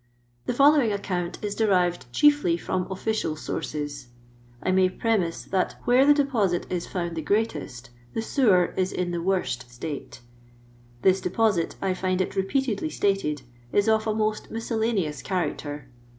The following account is derived chiefly from official sources. I may premise that where the deposit is found the greatest, the sewer is in the wont atate. This deposit, I find it repeatedly stated, is of a most miscellaneous character.